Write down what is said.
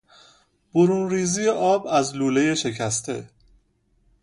برون ریزی آب از لولهی شکسته